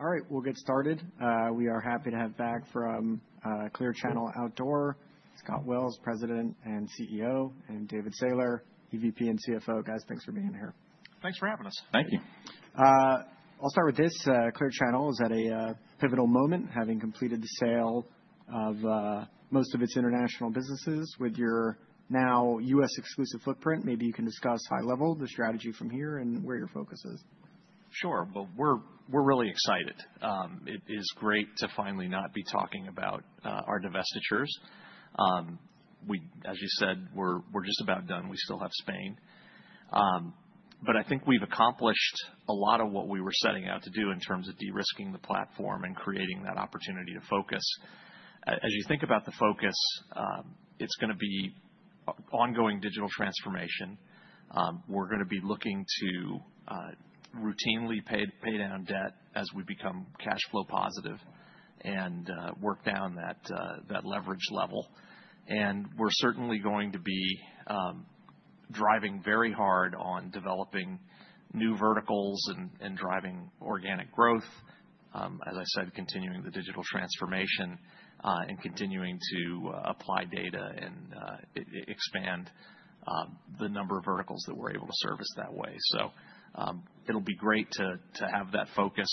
All right, we'll get started. We are happy to have back from Clear Channel Outdoor Scott Wells, President and CEO, and David Sailer, EVP and CFO. Guys, thanks for being here. Thanks for having us. Thank you. I'll start with this: Clear Channel Outdoor is at a pivotal moment, having completed the sale of most of its international businesses with your now U.S. exclusive footprint. Maybe you can discuss high-level the strategy from here and where your focus is. Sure, we're really excited. It is great to finally not be talking about our divestitures. As you said, we're just about done. We still have Spain. I think we've accomplished a lot of what we were setting out to do in terms of de-risking the platform and creating that opportunity to focus. As you think about the focus, it's going to be ongoing digital transformation. We're going to be looking to routinely pay down debt as we become cash flow positive and work down that leverage level. We're certainly going to be driving very hard on developing new verticals and driving organic growth. As I said, continuing the digital transformation and continuing to apply data and expand the number of verticals that we're able to service that way. It'll be great to have that focus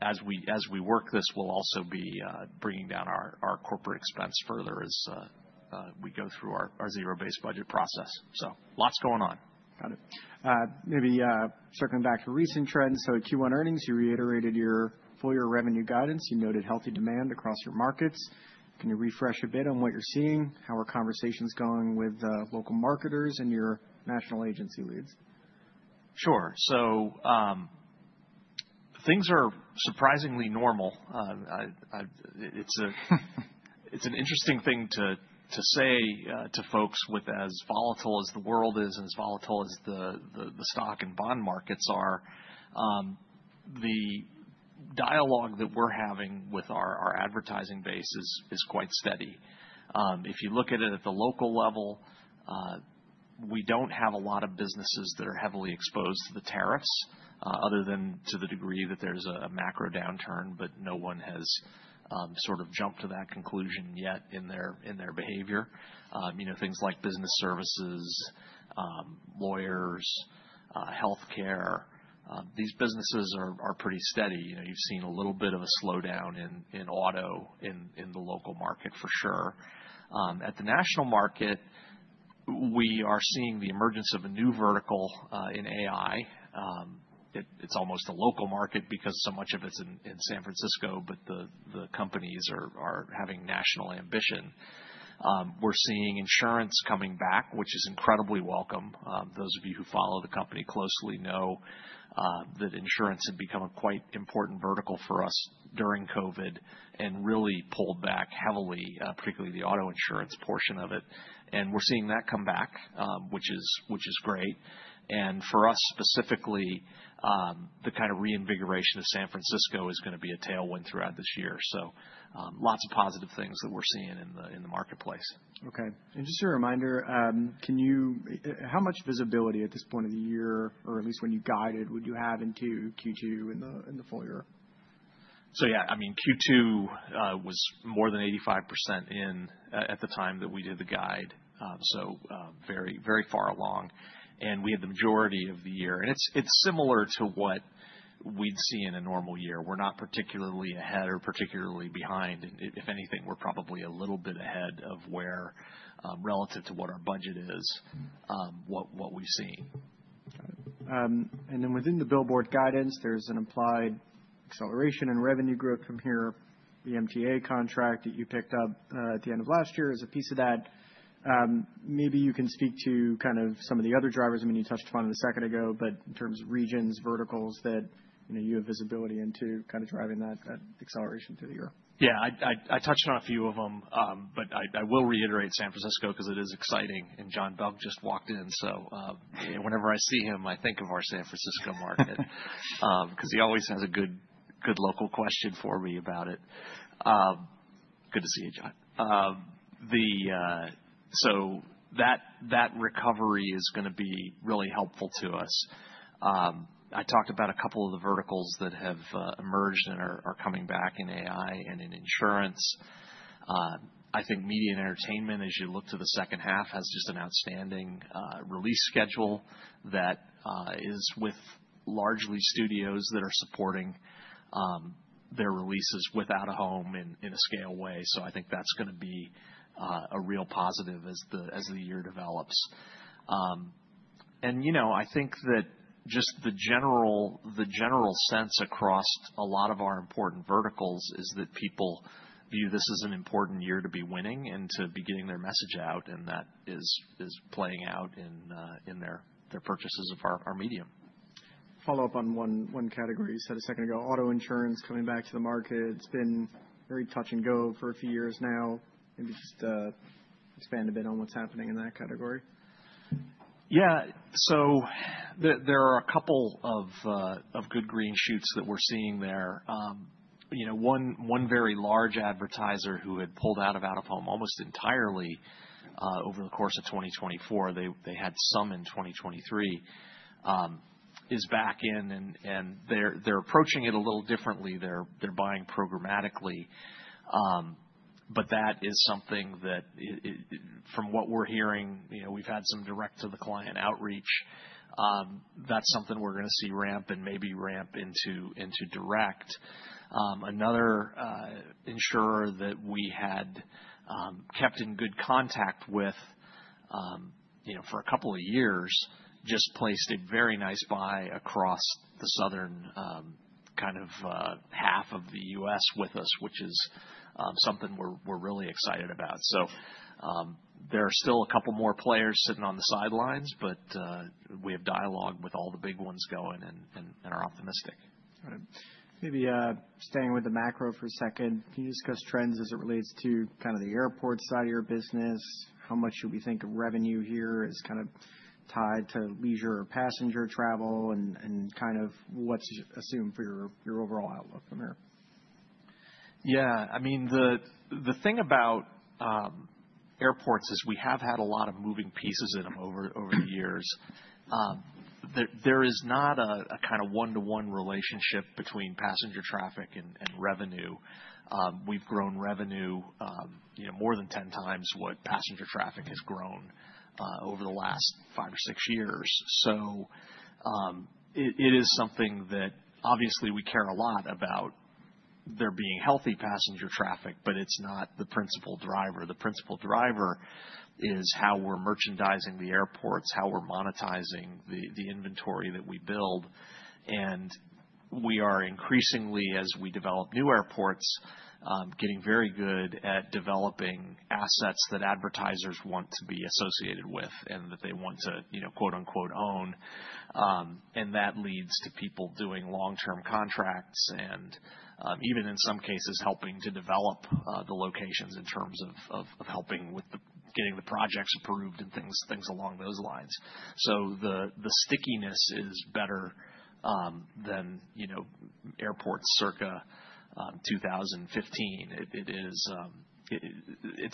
as we work this. We'll also be bringing down our corporate expense further as we go through our zero-based budget process. Lots going on. Got it. Maybe circling back to recent trends. At Q1 earnings, you reiterated your full-year revenue guidance. You noted healthy demand across your markets. Can you refresh a bit on what you're seeing? How are conversations going with local marketers and your national agency leads? Sure. Things are surprisingly normal. It's an interesting thing to say to folks with, as volatile as the world is and as volatile as the stock and bond markets are, the dialogue that we're having with our advertising base is quite steady. If you look at it at the local level, we don't have a lot of businesses that are heavily exposed to the tariffs, other than to the degree that there's a macro downturn, but no one has sort of jumped to that conclusion yet in their behavior. Things like business services, lawyers, health care, these businesses are pretty steady. You've seen a little bit of a slowdown in auto in the local market, for sure. At the national market, we are seeing the emergence of a new vertical in AI. It's almost a local market because so much of it's in San Francisco, but the companies are having national ambition. We're seeing insurance coming back, which is incredibly welcome. Those of you who follow the company closely know that insurance had become a quite important vertical for us during COVID and really pulled back heavily, particularly the auto insurance portion of it. We're seeing that come back, which is great. For us specifically, the kind of reinvigoration of San Francisco is going to be a tailwind throughout this year. Lots of positive things that we're seeing in the marketplace. Okay. Just a reminder, how much visibility at this point of the year, or at least when you guided, would you have into Q2 and the full year? Yeah, I mean, Q2 was more than 85% in at the time that we did the guide. Very far along. We had the majority of the year, and it's similar to what we'd see in a normal year. We're not particularly ahead or particularly behind. If anything, we're probably a little bit ahead of where, relative to what our budget is, what we've seen. Within the billboard guidance, there's an implied acceleration in revenue growth from here. The MTA contract that you picked up at the end of last year is a piece of that. Maybe you can speak to kind of some of the other drivers. I mean, you touched upon it a second ago, but in terms of regions, verticals that you have visibility into kind of driving that acceleration through the year. Yeah, I touched on a few of them, but I will reiterate San Francisco because it is exciting. And John Bug just walked in. Whenever I see him, I think of our San Francisco market because he always has a good local question for me about it. Good to see you, John. That recovery is going to be really helpful to us. I talked about a couple of the verticals that have emerged and are coming back in AI and in insurance. I think media and entertainment, as you look to the second half, has just an outstanding release schedule that is with largely studios that are supporting their releases without a home in a scale way. I think that is going to be a real positive as the year develops. I think that just the general sense across a lot of our important verticals is that people view this as an important year to be winning and to be getting their message out. That is playing out in their purchases of our medium. Follow up on one category you said a second ago, auto insurance coming back to the market. It's been very touch and go for a few years now. Maybe just expand a bit on what's happening in that category. Yeah, so there are a couple of good green shoots that we're seeing there. One very large advertiser who had pulled out of out of home almost entirely over the course of 2024, they had some in 2023, is back in. They're approaching it a little differently. They're buying programmatically. That is something that, from what we're hearing, we've had some direct-to-the-client outreach. That's something we're going to see ramp and maybe ramp into direct. Another insurer that we had kept in good contact with for a couple of years just placed a very nice buy across the southern kind of half of the U.S. with us, which is something we're really excited about. There are still a couple more players sitting on the sidelines, but we have dialogue with all the big ones going and are optimistic. Maybe staying with the macro for a second, can you discuss trends as it relates to kind of the airport side of your business? How much should we think of revenue here as kind of tied to leisure or passenger travel and kind of what's assumed for your overall outlook from here? Yeah, I mean, the thing about airports is we have had a lot of moving pieces in them over the years. There is not a kind of one-to-one relationship between passenger traffic and revenue. We've grown revenue more than 10 times what passenger traffic has grown over the last five or six years. It is something that obviously we care a lot about there being healthy passenger traffic, but it's not the principal driver. The principal driver is how we're merchandising the airports, how we're monetizing the inventory that we build. We are increasingly, as we develop new airports, getting very good at developing assets that advertisers want to be associated with and that they want to "own." That leads to people doing long-term contracts and even in some cases helping to develop the locations in terms of helping with getting the projects approved and things along those lines. The stickiness is better than airports circa 2015. It is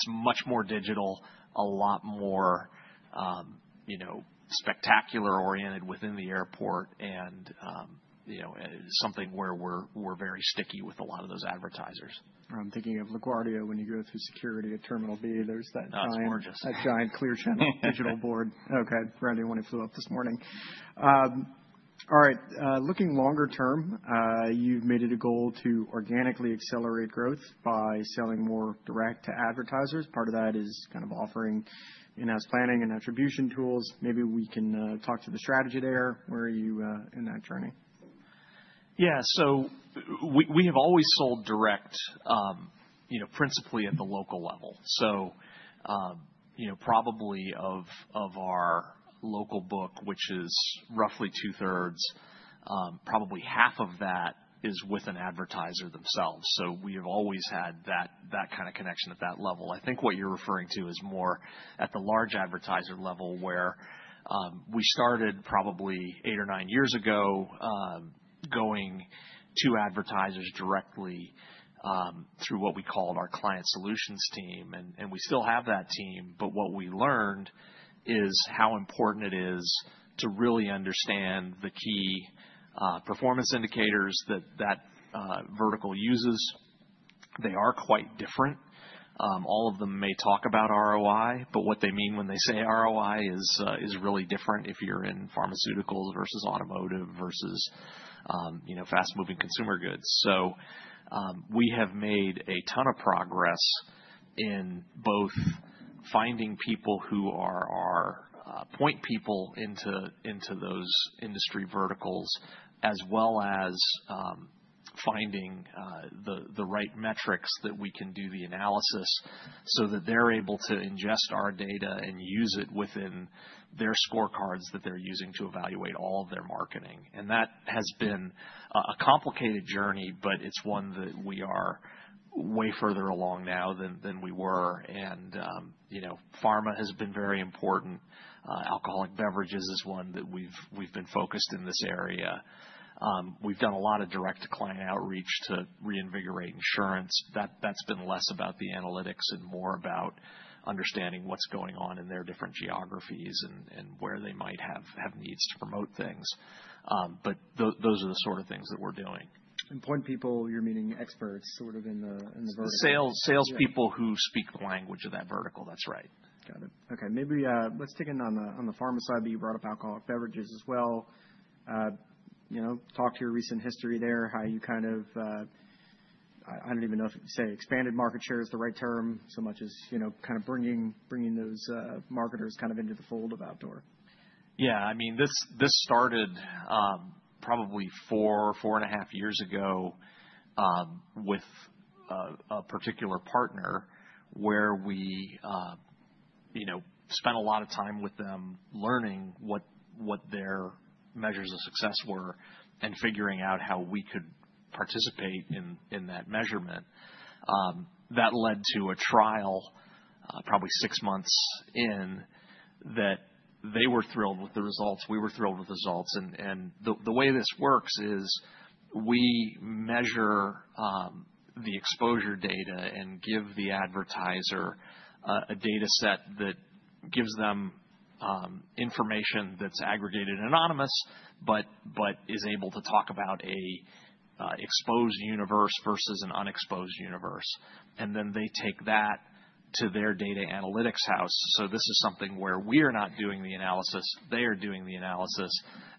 much more digital, a lot more spectacular oriented within the airport, and it is something where we're very sticky with a lot of those advertisers. I'm thinking of LaGuardia when you go through security at Terminal B. There's that giant. That's gorgeous. A giant Clear Channel Outdoor board. Okay, for anyone who flew up this morning. All right, looking longer term, you've made it a goal to organically accelerate growth by selling more direct to advertisers. Part of that is kind of offering in-house planning and attribution tools. Maybe we can talk to the strategy there where you in that journey. Yeah, we have always sold direct principally at the local level. Probably of our local book, which is roughly two-thirds, probably half of that is with an advertiser themselves. We have always had that kind of connection at that level. I think what you're referring to is more at the large advertiser level where we started probably eight or nine years ago going to advertisers directly through what we called our client solutions team. We still have that team, but what we learned is how important it is to really understand the key performance indicators that that vertical uses. They are quite different. All of them may talk about ROI, but what they mean when they say ROI is really different if you're in pharmaceuticals versus automotive versus fast-moving consumer goods. We have made a ton of progress in both finding people who are our point people into those industry verticals, as well as finding the right metrics that we can do the analysis so that they're able to ingest our data and use it within their scorecards that they're using to evaluate all of their marketing. That has been a complicated journey, but it's one that we are way further along now than we were. Pharma has been very important. Alcoholic beverages is one that we've been focused in this area. We've done a lot of direct-to-client outreach to reinvigorate insurance. That's been less about the analytics and more about understanding what's going on in their different geographies and where they might have needs to promote things. Those are the sort of things that we're doing. Point people, you're meaning experts sort of in the vertical. Salespeople who speak the language of that vertical. That's right. Got it. Okay, maybe let's dig in on the pharma side, but you brought up alcoholic beverages as well. Talk to your recent history there, how you kind of, I don't even know if you'd say expanded market share is the right term so much as kind of bringing those marketers kind of into the fold of outdoor. Yeah, I mean, this started probably four, four and a half years ago with a particular partner where we spent a lot of time with them learning what their measures of success were and figuring out how we could participate in that measurement. That led to a trial probably six months in that they were thrilled with the results. We were thrilled with the results. The way this works is we measure the exposure data and give the advertiser a data set that gives them information that is aggregated and anonymous, but is able to talk about an exposed universe versus an unexposed universe. They take that to their data analytics house. This is something where we are not doing the analysis. They are doing the analysis.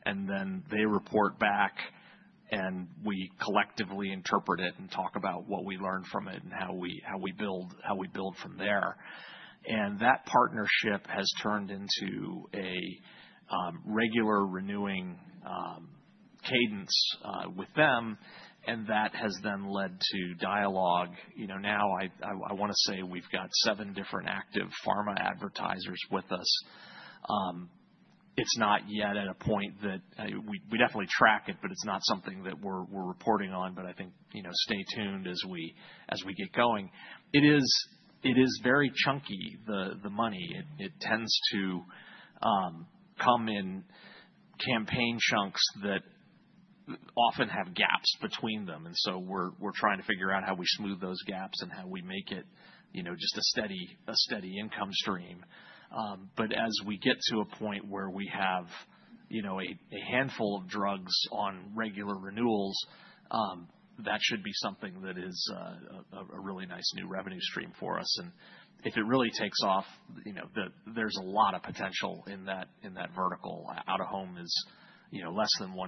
Then they report back, and we collectively interpret it and talk about what we learned from it and how we build from there. That partnership has turned into a regular renewing cadence with them. That has then led to dialogue. Now, I want to say we've got seven different active pharma advertisers with us. It's not yet at a point that we definitely track it, but it's not something that we're reporting on. I think stay tuned as we get going. It is very chunky, the money. It tends to come in campaign chunks that often have gaps between them. We are trying to figure out how we smooth those gaps and how we make it just a steady income stream. As we get to a point where we have a handful of drugs on regular renewals, that should be something that is a really nice new revenue stream for us. If it really takes off, there is a lot of potential in that vertical. Out of home is less than 1%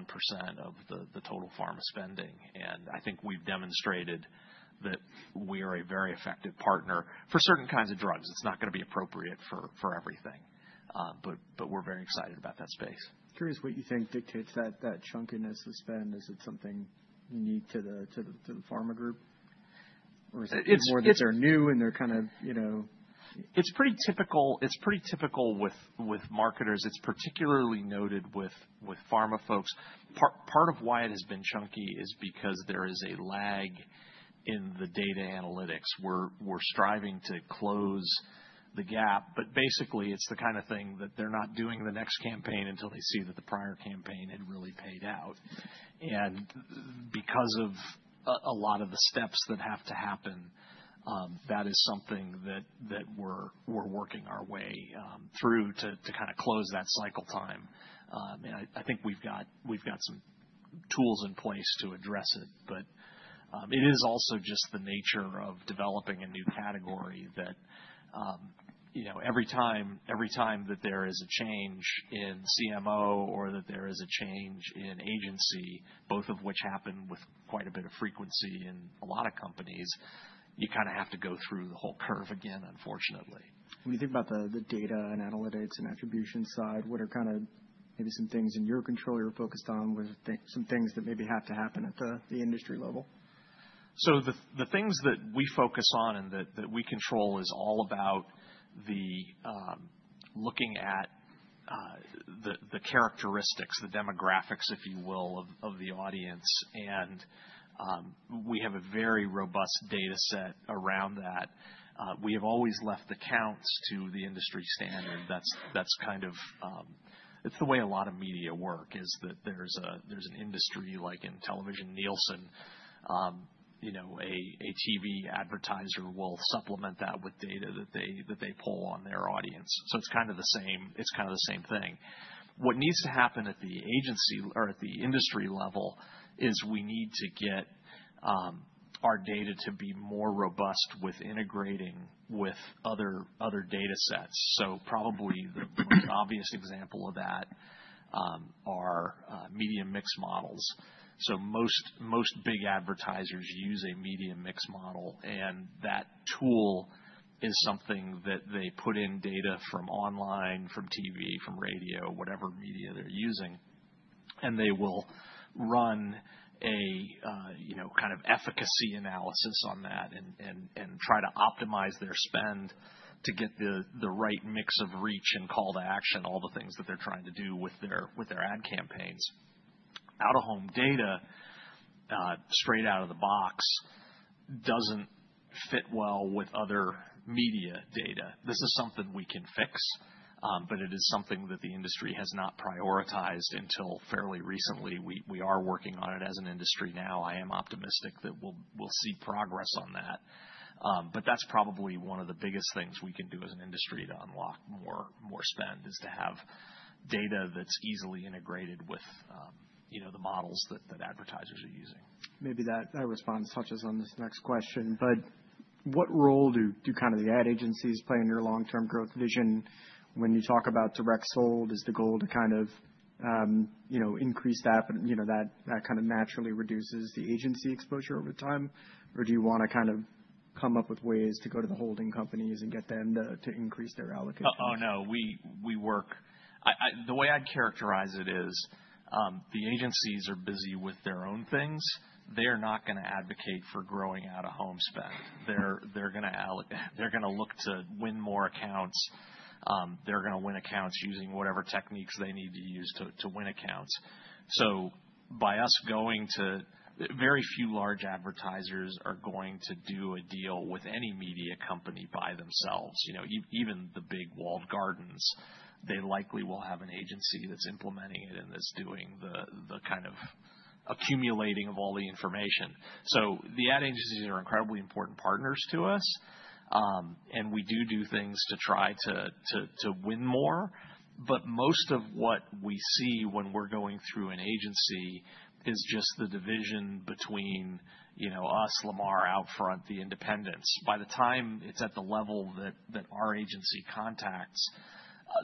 of the total pharma spending. I think we have demonstrated that we are a very effective partner for certain kinds of drugs. It is not going to be appropriate for everything. We are very excited about that space. Curious what you think dictates that chunkiness with spend. Is it something unique to the pharma group? Or is it more that they're new and they're kind of. It's pretty typical with marketers. It's particularly noted with pharma folks. Part of why it has been chunky is because there is a lag in the data analytics. We're striving to close the gap. Basically, it's the kind of thing that they're not doing the next campaign until they see that the prior campaign had really paid out. Because of a lot of the steps that have to happen, that is something that we're working our way through to kind of close that cycle time. I think we've got some tools in place to address it. It is also just the nature of developing a new category that every time that there is a change in CMO or that there is a change in agency, both of which happen with quite a bit of frequency in a lot of companies, you kind of have to go through the whole curve again, unfortunately. When you think about the data and analytics and attribution side, what are kind of maybe some things in your control you're focused on with some things that maybe have to happen at the industry level? The things that we focus on and that we control is all about looking at the characteristics, the demographics, if you will, of the audience. We have a very robust data set around that. We have always left the counts to the industry standard. That is kind of, it is the way a lot of media work is that there is an industry like in television, Nielsen, a TV advertiser will supplement that with data that they pull on their audience. It is kind of the same, it is kind of the same thing. What needs to happen at the agency or at the industry level is we need to get our data to be more robust with integrating with other data sets. Probably the most obvious example of that are medium mix models. Most big advertisers use a medium mix model. That tool is something that they put in data from online, from TV, from radio, whatever media they're using. They will run a kind of efficacy analysis on that and try to optimize their spend to get the right mix of reach and call to action, all the things that they're trying to do with their ad campaigns. Out of home data, straight out of the box, doesn't fit well with other media data. This is something we can fix, but it is something that the industry has not prioritized until fairly recently. We are working on it as an industry now. I am optimistic that we'll see progress on that. That is probably one of the biggest things we can do as an industry to unlock more spend, to have data that's easily integrated with the models that advertisers are using. Maybe that response touches on this next question, but what role do kind of the ad agencies play in your long-term growth vision? When you talk about direct sold, is the goal to kind of increase that, but that kind of naturally reduces the agency exposure over time? Or do you want to kind of come up with ways to go to the holding companies and get them to increase their allocation? Oh, no, we work. The way I'd characterize it is the agencies are busy with their own things. They're not going to advocate for growing out of home spend. They're going to look to win more accounts. They're going to win accounts using whatever techniques they need to use to win accounts. By us going to very few large advertisers are going to do a deal with any media company by themselves. Even the big Walled Gardens, they likely will have an agency that's implementing it and that's doing the kind of accumulating of all the information. The ad agencies are incredibly important partners to us. We do do things to try to win more. Most of what we see when we're going through an agency is just the division between us, Lamar, OutFront, the independents. By the time it's at the level that our agency contacts,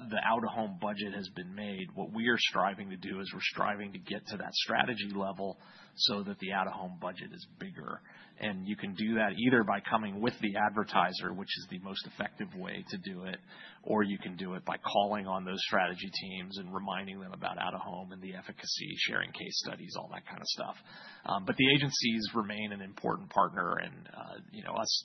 the out-of-home budget has been made. What we are striving to do is we're striving to get to that strategy level so that the out-of-home budget is bigger. You can do that either by coming with the advertiser, which is the most effective way to do it, or you can do it by calling on those strategy teams and reminding them about out-of-home and the efficacy, sharing case studies, all that kind of stuff. The agencies remain an important partner.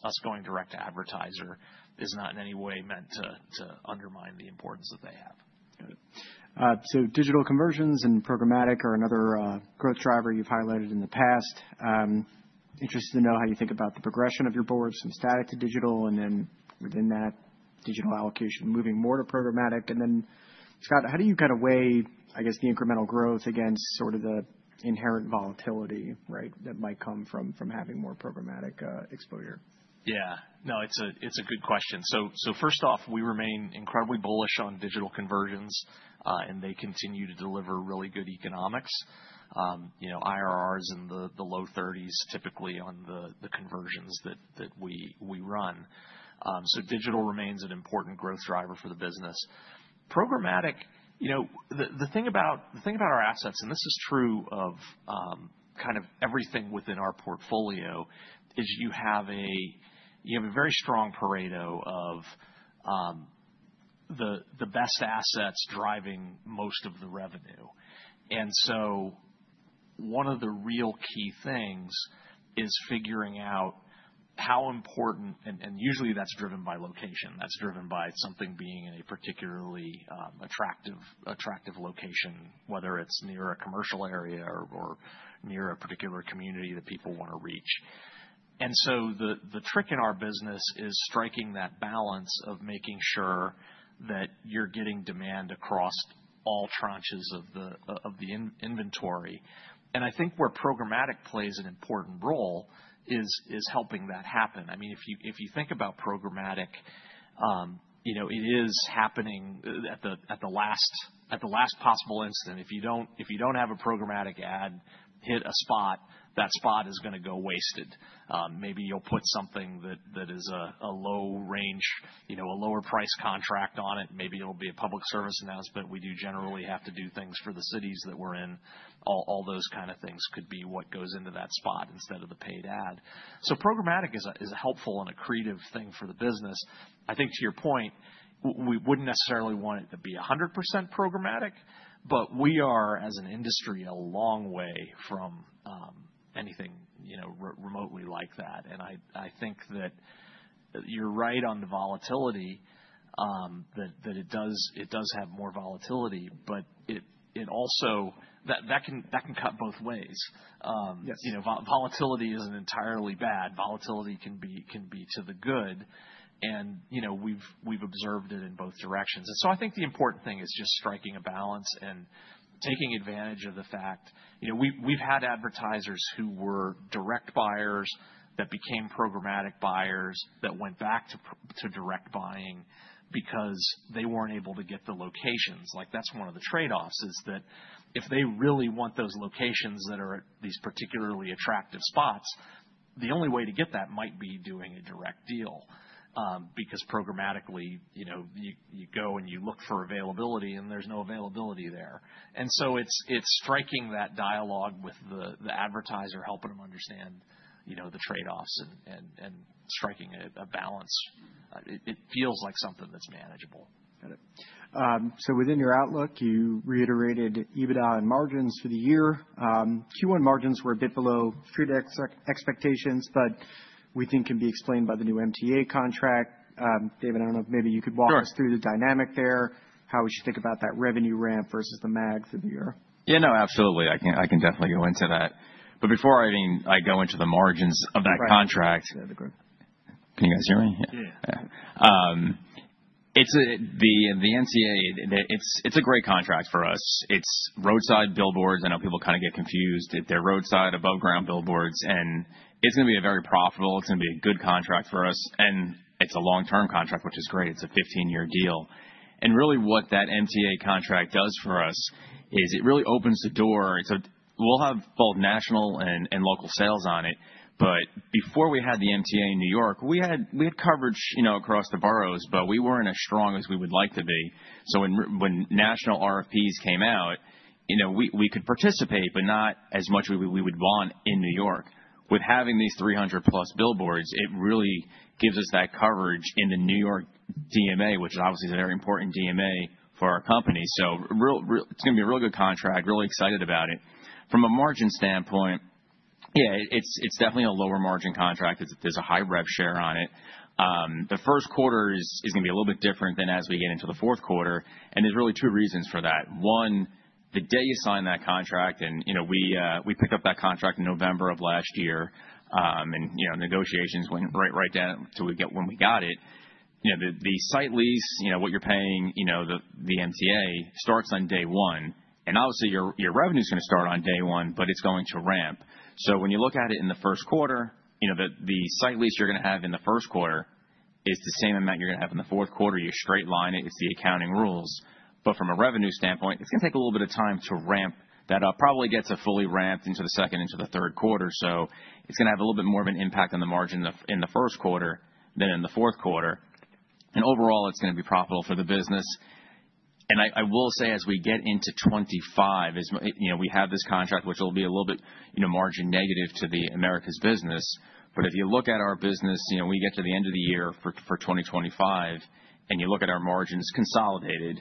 Us going direct to advertiser is not in any way meant to undermine the importance that they have. Got it. Digital conversions and programmatic are another growth driver you've highlighted in the past. Interested to know how you think about the progression of your board from static to digital and then within that digital allocation moving more to programmatic. Scott, how do you kind of weigh, I guess, the incremental growth against sort of the inherent volatility, right, that might come from having more programmatic exposure? Yeah, no, it's a good question. First off, we remain incredibly bullish on digital conversions, and they continue to deliver really good economics. IRRs in the low 30% typically on the conversions that we run. Digital remains an important growth driver for the business. Programmatic, the thing about our assets, and this is true of kind of everything within our portfolio, is you have a very strong Pareto of the best assets driving most of the revenue. One of the real key things is figuring out how important, and usually that's driven by location. That's driven by something being in a particularly attractive location, whether it's near a commercial area or near a particular community that people want to reach. The trick in our business is striking that balance of making sure that you're getting demand across all tranches of the inventory. I think where programmatic plays an important role is helping that happen. I mean, if you think about programmatic, it is happening at the last possible instant. If you do not have a programmatic ad hit a spot, that spot is going to go wasted. Maybe you will put something that is a low range, a lower price contract on it. Maybe it will be a public service announcement. We do generally have to do things for the cities that we are in. All those kind of things could be what goes into that spot instead of the paid ad. Programmatic is a helpful and a creative thing for the business. I think to your point, we would not necessarily want it to be 100% programmatic, but we are as an industry a long way from anything remotely like that. I think that you're right on the volatility, that it does have more volatility, but it also, that can cut both ways. Volatility isn't entirely bad. Volatility can be to the good. We've observed it in both directions. I think the important thing is just striking a balance and taking advantage of the fact. We've had advertisers who were direct buyers that became programmatic buyers that went back to direct buying because they weren't able to get the locations. Like that's one of the trade-offs is that if they really want those locations that are at these particularly attractive spots, the only way to get that might be doing a direct deal because programmatically you go and you look for availability and there's no availability there. It's striking that dialogue with the advertiser, helping them understand the trade-offs and striking a balance. It feels like something that's manageable. Got it. So within your outlook, you reiterated EBITDA and margins for the year. Q1 margins were a bit below street expectations, but we think can be explained by the new MTA contract. David, I do not know if maybe you could walk us through the dynamic there, how we should think about that revenue ramp versus the MAG for the year. Yeah, no, absolutely. I can definitely go into that. Before I go into the margins of that contract. Can you guys hear me? Yeah. It's the MTA. It's a great contract for us. It's roadside billboards. I know people kind of get confused. They're roadside above-ground billboards. It's going to be a very profitable, it's going to be a good contract for us. It's a long-term contract, which is great. It's a 15-year deal. What that MTA contract does for us is it really opens the door. We'll have both national and local sales on it. Before we had the MTA in New York, we had coverage across the boroughs, but we weren't as strong as we would like to be. When national RFPs came out, we could participate, but not as much as we would want in New York. With having these 300-plus billboards, it really gives us that coverage in the New York DMA, which obviously is a very important DMA for our company. It is going to be a real good contract. Really excited about it. From a margin standpoint, yeah, it is definitely a lower margin contract. There is a high rev share on it. The first quarter is going to be a little bit different than as we get into the fourth quarter. There are really two reasons for that. One, the day you sign that contract, and we picked up that contract in November of last year. Negotiations went right down to when we got it. The site lease, what you are paying the MTA, starts on day one. Obviously, your revenue is going to start on day one, but it is going to ramp. When you look at it in the first quarter, the site lease you are going to have in the first quarter is the same amount you are going to have in the fourth quarter. You straight line it. It's the accounting rules. From a revenue standpoint, it's going to take a little bit of time to ramp that up. Probably gets fully ramped into the second, into the third quarter. It's going to have a little bit more of an impact on the margin in the first quarter than in the fourth quarter. Overall, it's going to be profitable for the business. I will say as we get into 2025, we have this contract which will be a little bit margin negative to the Americas business. If you look at our business, we get to the end of the year for 2025, and you look at our margins consolidated,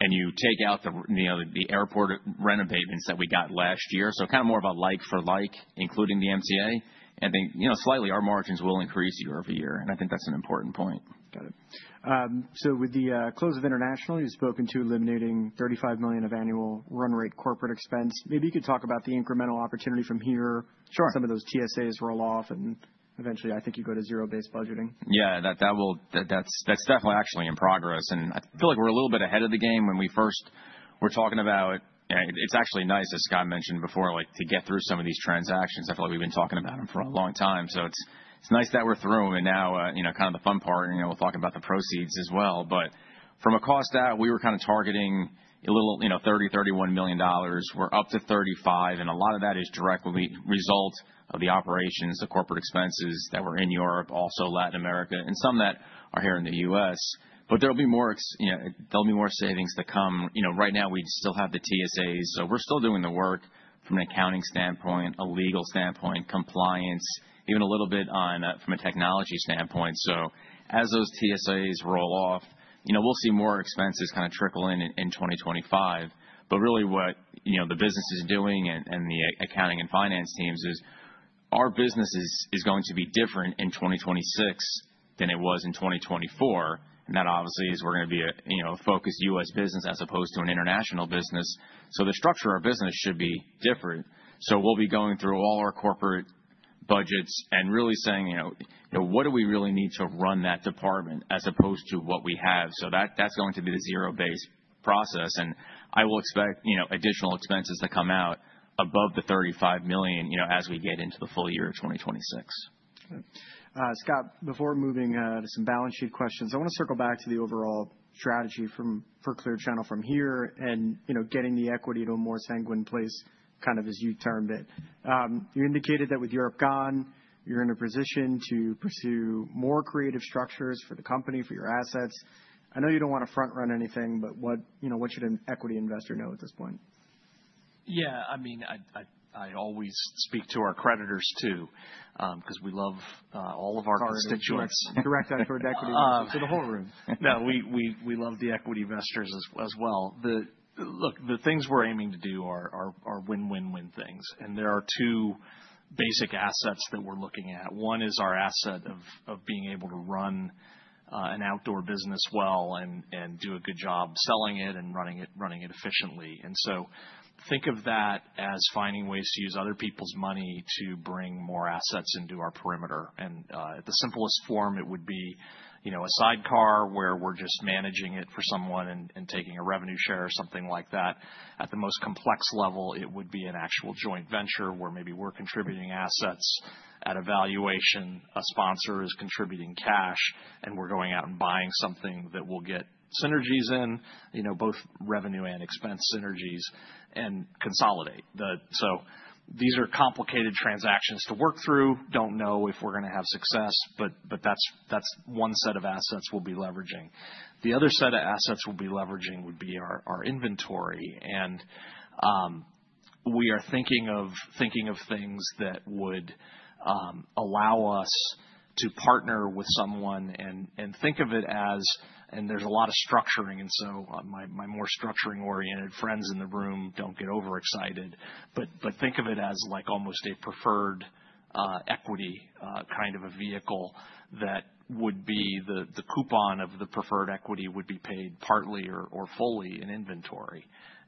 and you take out the airport rent abatements that we got last year. Kind of more of a like for like, including the MTA. I think slightly our margins will increase year over year. I think that's an important point. Got it. With the close of international, you've spoken to eliminating $35 million of annual run rate corporate expense. Maybe you could talk about the incremental opportunity from here, some of those TSAs roll off, and eventually I think you go to zero-based budgeting. Yeah, that's definitely actually in progress. I feel like we're a little bit ahead of the game when we first were talking about, it's actually nice, as Scott mentioned before, to get through some of these transactions. I feel like we've been talking about them for a long time. It's nice that we're through them. Now kind of the fun part, we'll talk about the proceeds as well. From a cost out, we were kind of targeting a little $30, $31 million. We're up to $35 million, and a lot of that is directly a result of the operations, the corporate expenses that were in Europe, also Latin America, and some that are here in the U.S. There'll be more savings to come. Right now, we still have the TSAs. We're still doing the work from an accounting standpoint, a legal standpoint, compliance, even a little bit from a technology standpoint. As those TSAs roll off, we'll see more expenses kind of trickle in in 2025. What the business is doing and the accounting and finance teams is our business is going to be different in 2026 than it was in 2024. That obviously is we're going to be a focused US business as opposed to an international business. The structure of our business should be different. We'll be going through all our corporate budgets and really saying, what do we really need to run that department as opposed to what we have? That's going to be the zero-based process. I will expect additional expenses to come out above the $35 million as we get into the full year of 2026. Scott, before moving to some balance sheet questions, I want to circle back to the overall strategy for Clear Channel Outdoor from here and getting the equity to a more sanguine place, kind of as you termed it. You indicated that with Europe gone, you're in a position to pursue more creative structures for the company, for your assets. I know you don't want to front-run anything, but what should an equity investor know at this point? Yeah, I mean, I always speak to our creditors too because we love all of our constituents. Direct outdoor equity for the whole room. No, we love the equity investors as well. Look, the things we're aiming to do are win-win-win things. There are two basic assets that we're looking at. One is our asset of being able to run an outdoor business well and do a good job selling it and running it efficiently. Think of that as finding ways to use other people's money to bring more assets into our perimeter. In the simplest form, it would be a sidecar where we're just managing it for someone and taking a revenue share or something like that. At the most complex level, it would be an actual joint venture where maybe we're contributing assets at a valuation, a sponsor is contributing cash, and we're going out and buying something that we'll get synergies in, both revenue and expense synergies, and consolidate. These are complicated transactions to work through. Don't know if we're going to have success, but that's one set of assets we'll be leveraging. The other set of assets we'll be leveraging would be our inventory. We are thinking of things that would allow us to partner with someone and think of it as, and there's a lot of structuring. My more structuring-oriented friends in the room, don't get overexcited, but think of it as like almost a preferred equity kind of a vehicle that would be, the coupon of the preferred equity would be paid partly or fully in inventory.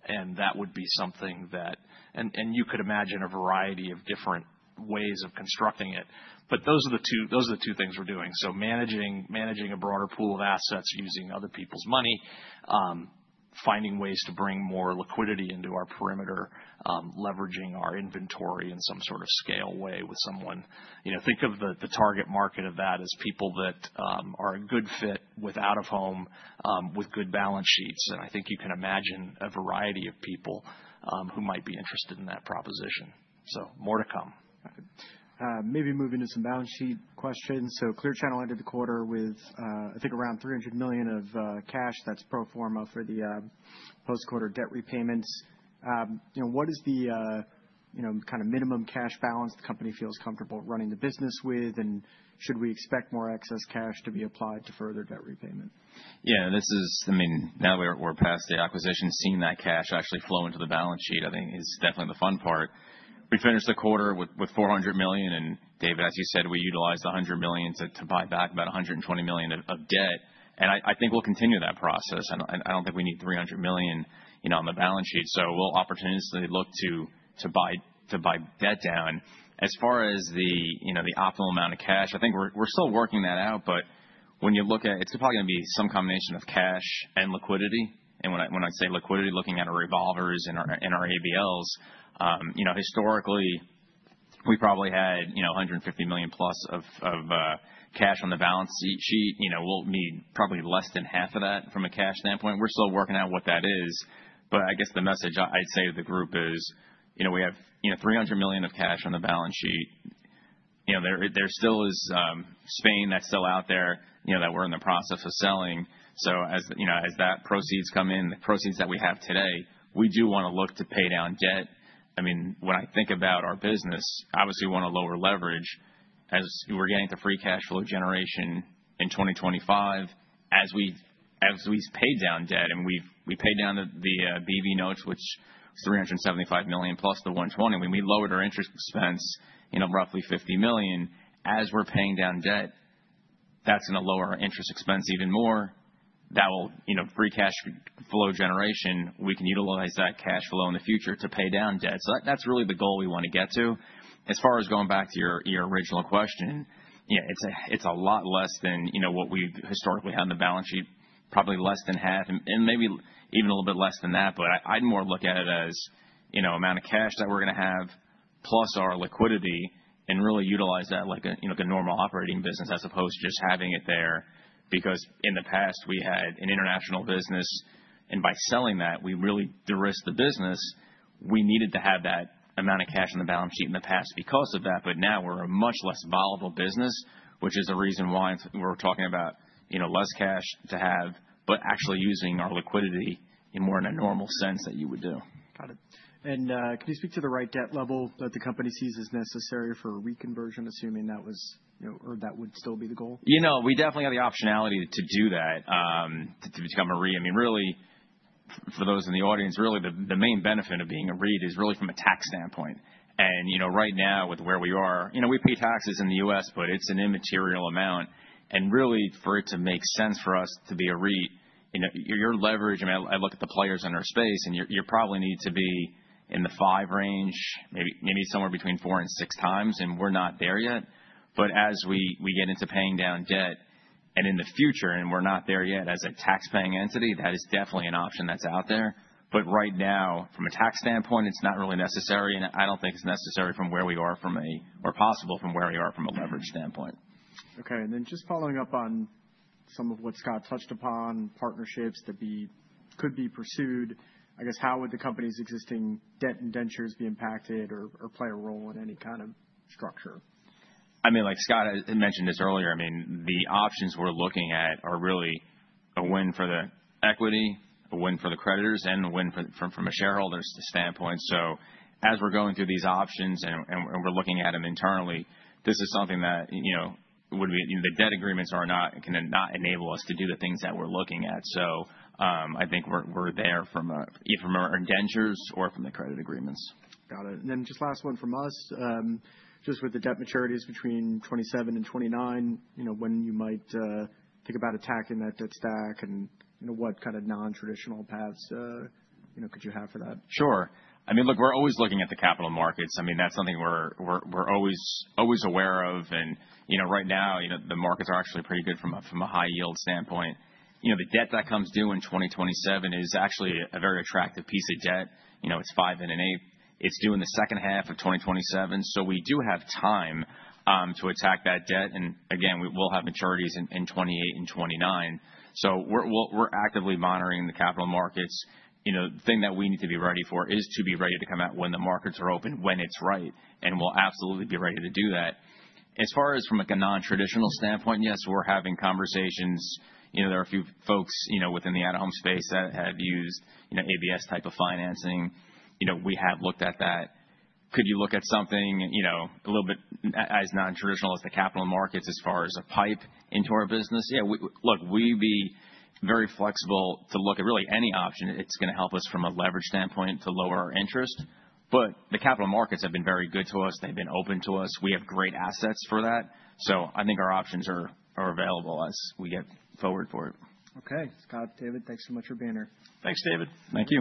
That would be something that, and you could imagine a variety of different ways of constructing it. Those are the two things we're doing. Managing a broader pool of assets using other people's money, finding ways to bring more liquidity into our perimeter, leveraging our inventory in some sort of scale way with someone. Think of the target market of that as people that are a good fit with out-of-home, with good balance sheets. I think you can imagine a variety of people who might be interested in that proposition. More to come. Maybe moving to some balance sheet questions. Clear Channel ended the quarter with, I think, around $300 million of cash. That is pro forma for the post-quarter debt repayments. What is the kind of minimum cash balance the company feels comfortable running the business with? Should we expect more excess cash to be applied to further debt repayment? Yeah, this is, I mean, now that we're past the acquisition, seeing that cash actually flow into the balance sheet, I think, is definitely the fun part. We finished the quarter with $400 million. And David, as you said, we utilized $100 million to buy back about $120 million of debt. I think we'll continue that process. I don't think we need $300 million on the balance sheet. We'll opportunistically look to buy debt down. As far as the optimal amount of cash, I think we're still working that out. When you look at it, it's probably going to be some combination of cash and liquidity. When I say liquidity, looking at our revolvers and our ABLs, historically, we probably had $150 million plus of cash on the balance sheet. We'll need probably less than half of that from a cash standpoint. We're still working out what that is. I guess the message I'd say to the group is we have $300 million of cash on the balance sheet. There still is Spain that's still out there that we're in the process of selling. As that proceeds come in, the proceeds that we have today, we do want to look to pay down debt. I mean, when I think about our business, obviously we want to lower leverage as we're getting to free cash flow generation in 2025. As we've paid down debt, and we paid down the BV notes, which was $375 million plus the $120 million, when we lowered our interest expense roughly $50 million, as we're paying down debt, that's going to lower our interest expense even more. That will free cash flow generation. We can utilize that cash flow in the future to pay down debt. That's really the goal we want to get to. As far as going back to your original question, it's a lot less than what we historically have in the balance sheet, probably less than half, and maybe even a little bit less than that. I'd more look at it as the amount of cash that we're going to have plus our liquidity and really utilize that like a normal operating business as opposed to just having it there. Because in the past, we had an international business. By selling that, we really de-risked the business. We needed to have that amount of cash on the balance sheet in the past because of that. Now we're a much less volatile business, which is the reason why we're talking about less cash to have, but actually using our liquidity in more in a normal sense than you would do. Got it. Can you speak to the right debt level that the company sees as necessary for reconversion, assuming that was or that would still be the goal? You know, we definitely have the optionality to do that, to become a REIT. I mean, really, for those in the audience, really the main benefit of being a REIT is really from a tax standpoint. Right now, with where we are, we pay taxes in the U.S., but it's an immaterial amount. Really, for it to make sense for us to be a REIT, your leverage, I mean, I look at the players in our space, and you probably need to be in the five range, maybe somewhere between four and six times, and we're not there yet. As we get into paying down debt and in the future, and we're not there yet as a tax-paying entity, that is definitely an option that's out there. Right now, from a tax standpoint, it's not really necessary. I don't think it's necessary from where we are from a or possible from where we are from a leverage standpoint. Okay. And then just following up on some of what Scott touched upon, partnerships that could be pursued, I guess, how would the company's existing debt and indentures be impacted or play a role in any kind of structure? I mean, like Scott mentioned this earlier, I mean, the options we're looking at are really a win for the equity, a win for the creditors, and a win from a shareholder's standpoint. As we're going through these options and we're looking at them internally, this is something that would be—the debt agreements are not going to not enable us to do the things that we're looking at. I think we're there either from our indentures or from the credit agreements. Got it. And then just last one from us, just with the debt maturities between 2027 and 2029, when you might think about attacking that debt stack and what kind of non-traditional paths could you have for that? Sure. I mean, look, we're always looking at the capital markets. I mean, that's something we're always aware of. Right now, the markets are actually pretty good from a high yield standpoint. The debt that comes due in 2027 is actually a very attractive piece of debt. It's five and an eighth. It's due in the second half of 2027. We do have time to attack that debt. Again, we'll have maturities in 2028 and 2029. We're actively monitoring the capital markets. The thing that we need to be ready for is to be ready to come out when the markets are open, when it's right. We'll absolutely be ready to do that. As far as from a non-traditional standpoint, yes, we're having conversations. There are a few folks within the out-of-home space that have used ABS type of financing. We have looked at that. Could you look at something a little bit as non-traditional as the capital markets as far as a pipe into our business? Yeah, look, we'd be very flexible to look at really any option. It's going to help us from a leverage standpoint to lower our interest. The capital markets have been very good to us. They've been open to us. We have great assets for that. I think our options are available as we get forward for it. Okay. Scott, David, thanks so much for being here. Thanks, David. Thank you.